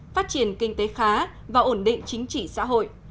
phát triển kinh tế khá và ổn định chính trị xã hội